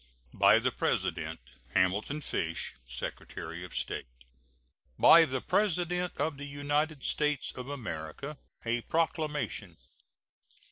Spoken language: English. By the President: HAMILTON FISH, Secretary of State. BY THE PRESIDENT OF THE UNITED STATES OF AMERICA. A PROCLAMATION.